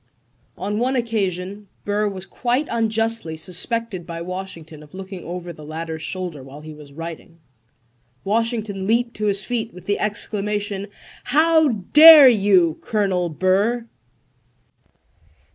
On one occasion Burr was quite unjustly suspected by Washington of looking over the latter's shoulder while he was writing. "Washington leaped to his feet with the exclamation: "How dare you, Colonel Burr?"